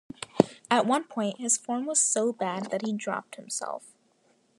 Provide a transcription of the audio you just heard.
At one point, his form was so bad that he dropped himself.